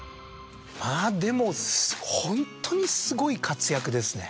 まぁでもホントにすごい活躍ですね。